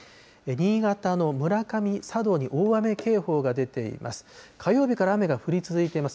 新潟の村上、佐渡に大雨警報が出ています。